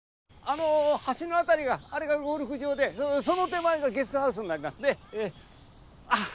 あの橋の辺りがあれがゴルフ場でその手前がゲストハウスになります。